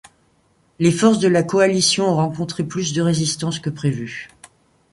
Les forces de la coalition ont rencontré plus de résistance que prévu.